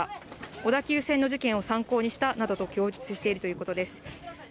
小田急線の事件を参考にしたなどと供述しているということです。